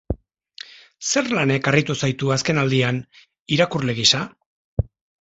Zer lanek harritu zaitu azkenaldian, irakurle gisa?